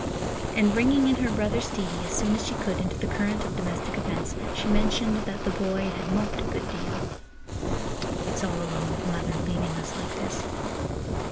And bringing in her brother Stevie as soon as she could into the current of domestic events, she mentioned that the boy had moped a good deal. "It's all along of mother leaving us like this."